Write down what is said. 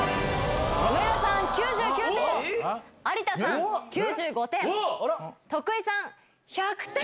上田さん９９点、有田さん９５点、徳井さん１００点。